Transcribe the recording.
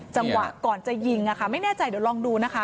จังหวะก่อนจะยิงไม่แน่ใจเดี๋ยวลองดูนะคะ